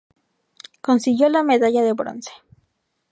Consiguió la medalla de bronce.